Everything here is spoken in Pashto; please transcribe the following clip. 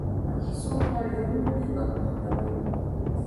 څو پاڼې ولولئ او محتوا یې وګورئ.